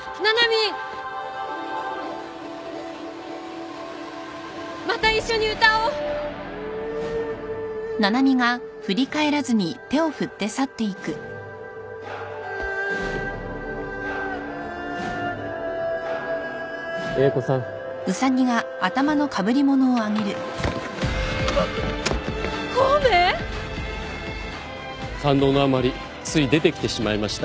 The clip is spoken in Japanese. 感動のあまりつい出てきてしまいました。